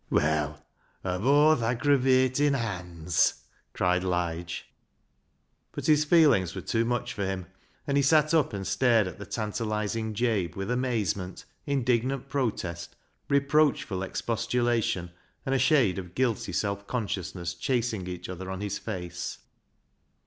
Well of aw th' aggravatin' haands "— cried Lige ; but his feelings were too much for him, and he sat up and stared at the tantalising Jabe with amazement, indignant protest, reproachful expostulation, and a shade of guilty self con sciousness chasing each other on his face.